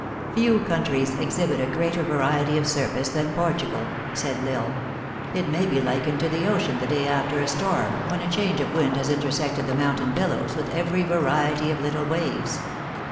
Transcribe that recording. Few countries exhibit a greater variety of surface than Portugal," said L Isle; "it maybe likened to the ocean the day after a storm, when a change of wind has intersected the mountain billows with every variety of little waves.